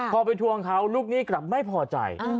พอไปทวงเขาลูกหนี้กลับไม่พอใจ